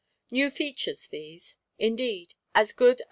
New features these. Indeed, as good M.